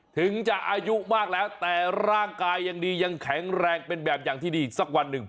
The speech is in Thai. ถึงจะอายุมากแล้วแต่ร่างกายยังดียังแข็งแรงเป็นแบบอย่างที่ดีสักวันหนึ่ง